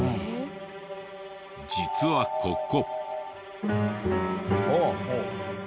実はここ。